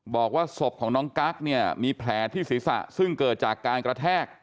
บอกว่าศพของน้องกั๊กเนี่ยมีแผลที่ศีรษะซึ่งเกิดจากการกระแทก